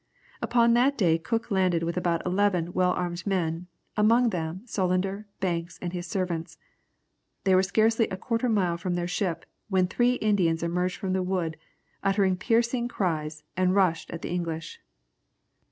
Upon that day Cook landed with about eleven well armed men, amongst them Solander, Banks, and his servants. They were scarcely a quarter of a mile from their ship, when three Indians emerged from the wood, uttering piercing cries, and rushed at the English.